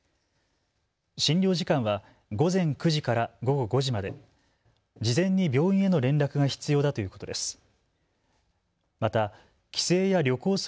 診療時間は午前９時から午後５時まで、事前に病院への連絡が必要だということです。